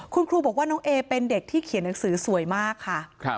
คุณครูบอกว่าน้องเอเป็นเด็กที่เขียนหนังสือสวยมากค่ะ